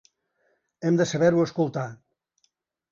Hem de saber-ho escoltar.